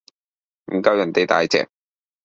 唔夠人哋大隻